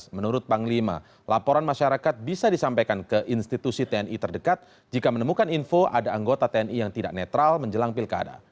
menurut panglima laporan masyarakat bisa disampaikan ke institusi tni terdekat jika menemukan info ada anggota tni yang tidak netral menjelang pilkada